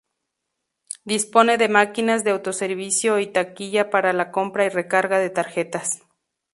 Dispone de máquinas de autoservicio y taquilla para la compra y recarga de tarjetas.